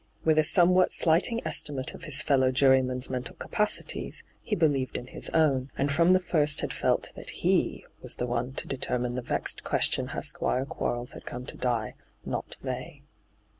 With a somewhat slighting estimate of his fellow jurymen's mental capacities, he believed in his own, and from the first had felt that he was the one to determine the vexed question how Squire Quarles had come to die, not they.